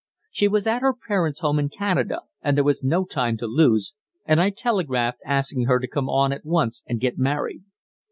She was at her parents' home in Canada, and there was no time to lose, and I telegraphed asking her to come on at once and get married.